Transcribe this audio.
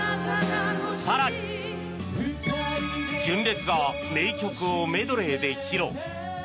更に純烈が名曲をメドレーで披露。